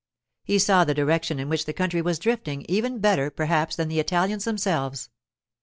He saw the direction in which the country was drifting even better perhaps than the Italians themselves.